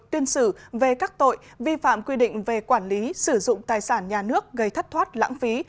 tuyên xử về các tội vi phạm quy định về quản lý sử dụng tài sản nhà nước gây thất thoát lãng phí